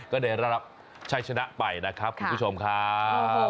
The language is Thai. ก็ได้รับใช่ชนะไปนะครับผู้ชมคราว